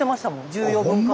重要文化財。